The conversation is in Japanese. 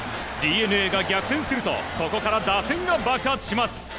ＤｅＮＡが逆転するとここから打線が爆発します。